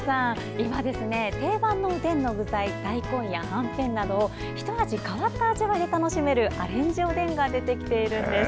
今、定番のおでんの具材大根やはんぺんなどひと味違った味が楽しめるアレンジおでんが出てきているんです。